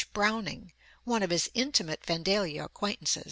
Browning, one of his intimate Vandalia acquaintances.